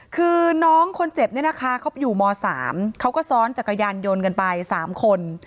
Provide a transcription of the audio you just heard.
คือน้องคนเจ็บเนี่ยนะคะเขาอยู่ม๓เขาก็ซ้อนจักรยานยนต์กันไป๓คน